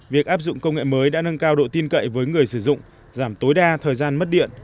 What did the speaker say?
việc áp dụng công nghệ mới đã nâng cao độ tin cậy với người sử dụng giảm tối đa thời gian mất điện